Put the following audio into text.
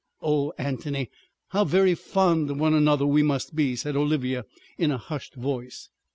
"Oh, Antony, how very fond of one another we must be!" said Olivia in a hushed voice.